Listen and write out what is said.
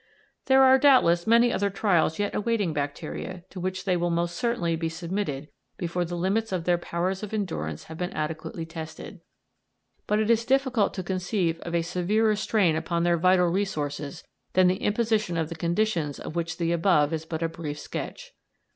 There are doubtless many other trials yet awaiting bacteria, to which they will most certainly be submitted before the limits of their powers of endurance have been adequately tested, but it is difficult to conceive of a severer strain upon their vital resources than the imposition of the conditions of which the above is but a brief sketch.